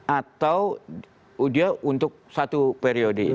atau dia untuk satu periode